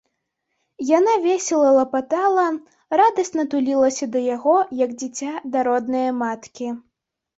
Яна весела лапатала, радасна тулілася да яго, як дзіця да роднае маткі.